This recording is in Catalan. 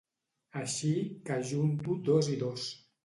Així que ajunto dos i dos.